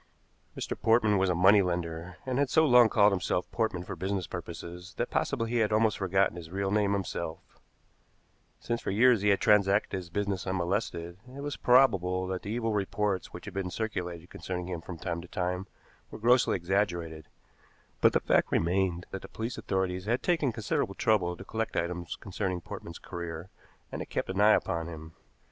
Mr. Portman was a money lender, and had so long called himself Portman for business purposes that possibly he had almost forgotten his real name himself. Since for years he had transacted his business unmolested, it was probable that the evil reports which had been circulated concerning him from time to time were grossly exaggerated; but the fact remained that the police authorities had taken considerable trouble to collect items concerning Portman's career, and had kept an eye upon him.